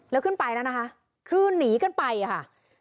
แล้วขึ้นไปแล้วนะคะคือหนีกันไปค่ะ